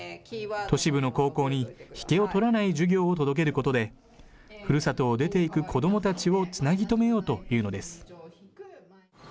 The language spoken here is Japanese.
都市部の高校に引けを取らない授業を届けることで、ふるさとを出ていく子どもたちをつなぎ止めようというのです。